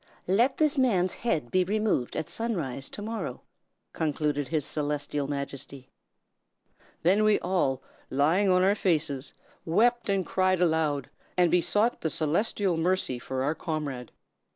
"'Let this man's head be removed at sunrise to morrow!' concluded His Celestial Majesty. "Then we all, lying on our faces, wept and cried aloud, and besought the celestial mercy for our comrade.